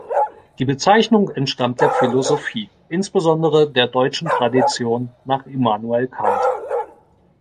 Die Bezeichnung entstammt der Philosophie, insbesondere der deutschen Tradition nach Immanuel Kant.